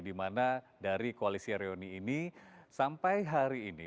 di mana dari koalisi reuni ini sampai hari ini